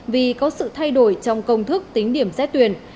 vì có sự thay đổi trong công thức tính điểm xét tuyển